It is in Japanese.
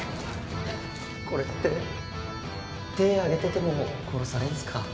これって手上げてても殺されるんすか？